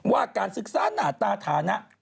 ว่าการศึกษาหน้าตาฐานะ